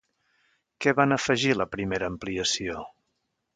Què van afegir a la primera ampliació?